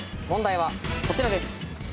問題はこちらです。